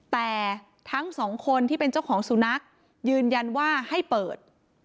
แต่ทั้งสองคนที่เป็นเจ้าของสุนัขยืนยันว่าให้เปิด